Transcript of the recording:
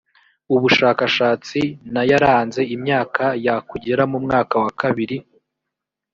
ubushakashatsi n ayaranze imyaka ya kugera mu mwaka wa kabiri